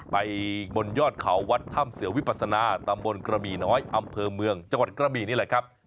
ไปบนยอดเขาวัดถ้ำเสือวิปัสนาตำบลกระบี่น้อยอำเภอเมืองจังหวัดกระบี่นี่แหละครับ